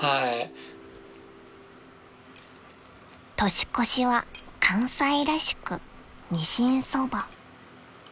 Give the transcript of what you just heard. ［年越しは関西らしくにしんそば］